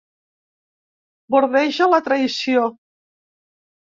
Bordeja la traïció.